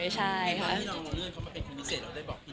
เมื่อพี่น้องโรงเรื่องเข้ามาเป็นคนพิเศษ